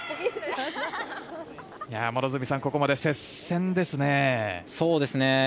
両角さん、ここまで接戦ですね。